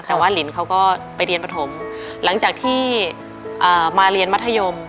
แต่ว่าลินเขาก็ไปเรียนปฐมหลังจากที่มาเรียนมัธยม